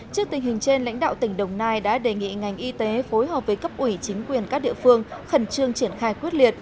trước tình hình trên lãnh đạo tỉnh đồng nai đã đề nghị ngành y tế phối hợp với cấp ủy chính quyền các địa phương khẩn trương triển khai quyết liệt